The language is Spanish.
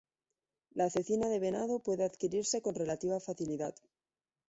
La cecina de venado puede adquirirse con relativa facilidad.